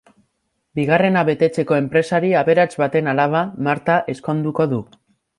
Bigarrena betetzeko enpresari aberats baten alaba, Marta, ezkonduko du.